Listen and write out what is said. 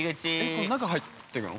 ◆これ、中に入ってくの？